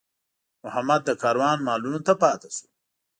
محمد د کاروان مالونو ته پاتې شو.